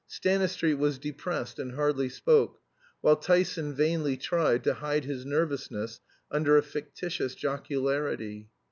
Stanistreet was depressed and hardly spoke, while Tyson vainly tried to hide his nervousness under a fictitious jocularity.